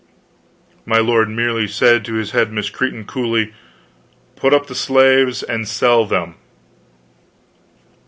My lord merely said to his head miscreant, coolly: "Put up the slaves and sell them!"